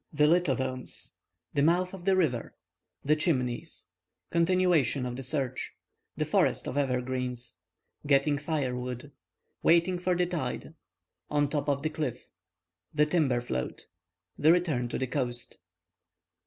THE LITHODOMES—THE MOUTH OF THE RIVER—THE "CHIMNEYS"—CONTINUATION OF THE SEARCH—THE FOREST OF EVERGREENS—GETTING FIREWOOD—WAITING FOR THE TIDE—ON TOP OF THE CLIFF—THE TIMBER FLOAT—THE RETURN TO THE COAST.